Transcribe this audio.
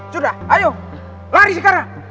sudah ayo lari sekarang